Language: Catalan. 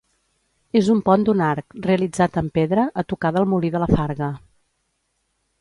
És un pont d'un arc, realitzat en pedra, a tocar del Molí de la Farga.